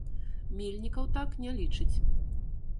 Мельнікаў так не лічыць.